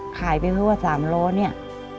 ขายไปเพื่อว่า๓ล้อเนี่ย